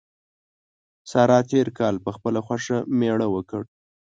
سارا تېر کال په خپله خوښه مېړه وکړ.